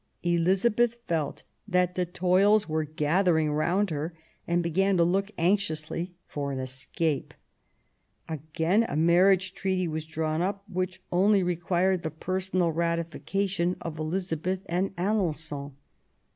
Elizabeth felt that the toils were gathering round her, and began to look anxiously for an escape. Again a marriage treaty was drawn up, which only required the personal ratification of Elizabeth and Alen9on.